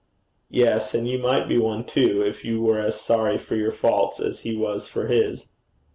'Yes, and you might be one too, if you were as sorry for your faults as he was for his.'